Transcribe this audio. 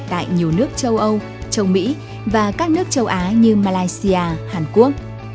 tại nhiều nước châu âu châu mỹ và các nước châu á như malaysia hàn quốc